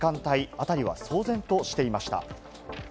辺りは騒然としていました。